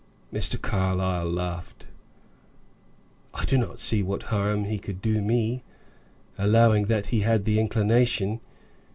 Mr. Carlyle laughed. "I do not see what harm he could do me, allowing that he had the inclination.